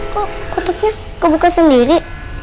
kok kotaknya kebuka sendiri